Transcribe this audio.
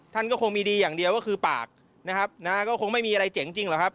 ท่านก็คงมีดีอย่างเดียวก็คือปากนะครับนะฮะก็คงไม่มีอะไรเจ๋งจริงหรอกครับ